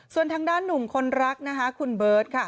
ส่วนทางด้านหนุ่มคนรักนะคะคุณเบิร์ตค่ะ